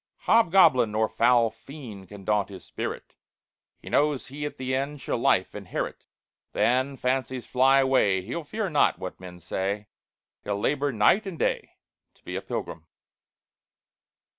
"Hobgoblin nor foul fiend Can daunt his spirit; He knows he at the end Shall life inherit. Then, fancies fly away, He'll fear not what men say; He'll labor night and day To be a pilgrim."